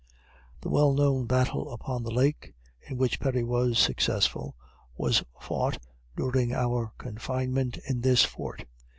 The well known battle upon the lake, in which Perry was successful, was fought during our confinement in this fort.